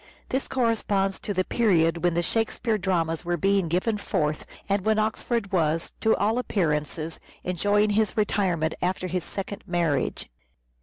This corresponds to the period when the Shakespeare dramas were being given forth, and when Oxford was, to all appearances, enjoying his retirement after his second marriage.